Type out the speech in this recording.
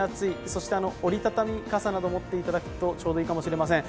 そして折り畳み傘など持っていただくとちょうどいいかもしれません。